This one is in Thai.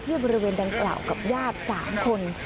ที่บริเวณแดงกล่าวกับญาติสามคน